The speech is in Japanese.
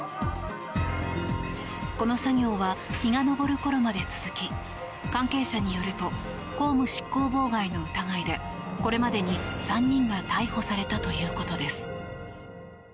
この作業は日が昇る頃まで続き関係者によると公務執行妨害の疑いでこれまでに３人が逮捕されたということです。